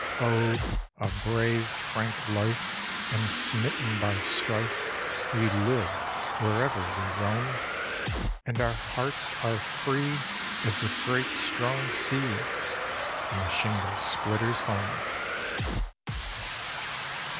Oh! a brave, frank life, unsmitten by strife, We live wherever we roam, And our hearts are free as the great strong sea, In the shingle splitter's home.